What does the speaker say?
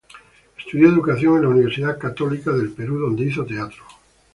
Estudió Educación en la Universidad Católica del Perú, donde hizo teatro.